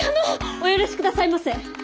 お許しくださいませ！